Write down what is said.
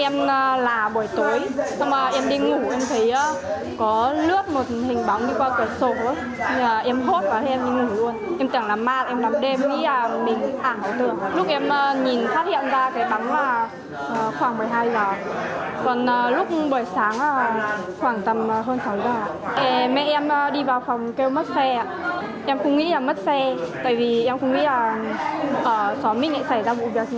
mẹ em đi vào phòng kêu mất xe em không nghĩ là mất xe tại vì em không nghĩ là xóa mít lại xảy ra vụ biểu tình thế